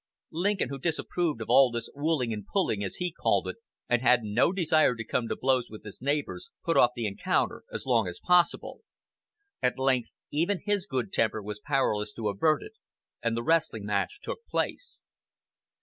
Lincoln, who disapproved of all this "woolling and pulling," as he called it, and had no desire to come to blows with his neighbors, put off the encounter as long as possible. At length even his good temper was powerless to avert it, and the wrestling match took place.